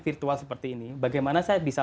virtual seperti ini bagaimana saya bisa